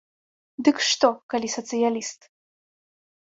Дык што, калі сацыяліст.